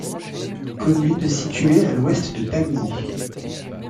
Commune située à l'ouest de Pamiers.